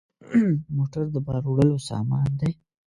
موټر د بار وړلو سامان دی.